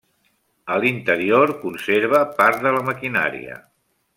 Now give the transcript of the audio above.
A l'interior conserva part de la maquinària.